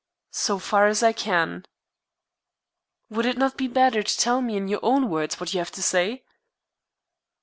"So far as I can." "Would it not be better to tell me in your own words what you have to say?"